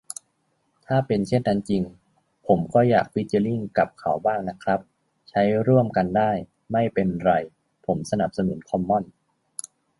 ถ้าเป็นเช่นนั้นจริง ผมก็อยากฟีเจอริ่งกับเขาบ้างนะครับ ใช้ร่วมกันได้ ไม่เป็นไร ผมสนับสนุนคอมมอนส์